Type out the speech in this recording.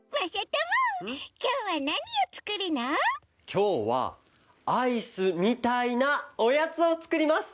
きょうはアイスみたいなおやつをつくります！